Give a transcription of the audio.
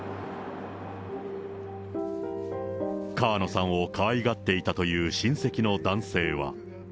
川野さんをかわいがっていたという親戚の男性は。